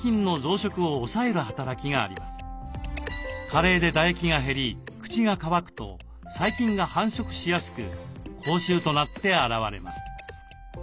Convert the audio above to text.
加齢で唾液が減り口が渇くと細菌が繁殖しやすく口臭となって表れます。